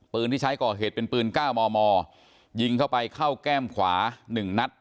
ที่ใช้ก่อเหตุเป็นปืน๙มมยิงเข้าไปเข้าแก้มขวา๑นัด